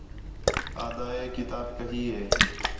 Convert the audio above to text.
آہدا ہِے کتاب کہی ہِے